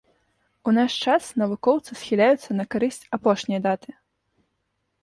У наш час навукоўцы схіляюцца на карысць апошняй даты.